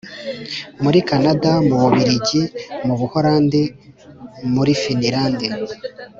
muri Canada, mu Bubirigi, mu Buholandi, muri Finland